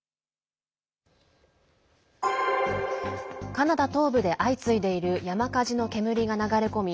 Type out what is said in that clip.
カナダ東部で相次いでいる山火事の煙が流れ込み